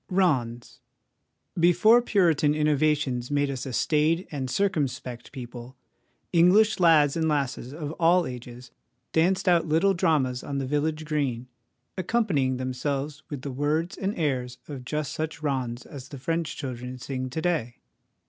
'Rond.es.' Before Puritan innovations made us a staid and circumspect people, English lads and lasses of all ages danced out little dramas on the village green, accompanying themselves with the words and airs of just such rondes as the French children sing to day.